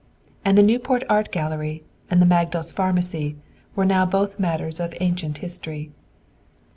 And the Newport Art Gallery and the Magdal's Pharmacy were now both matters of "ancient history."